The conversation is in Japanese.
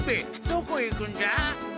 どこへ行くんじゃ？